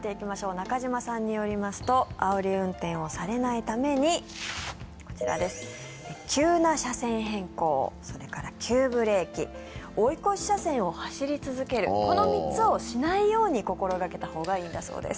中島さんによりますとあおり運転をされないために急な車線変更それから急ブレーキ追い越し車線を走り続けるこの３つをしないように心掛けたほうがいいんだそうです。